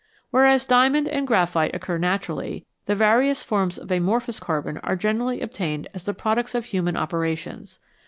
Whereas diamond and graphite occur naturally, the various forms of amorphous carbon are generally ob tained as the products of human operations.